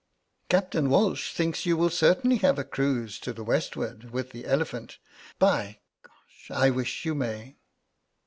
"Captain Walsh thinks you will certainly have a cruise to the westward with the 'Elephant' by I wish you may.